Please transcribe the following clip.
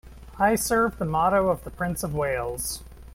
I serve the motto of the Prince of Wales.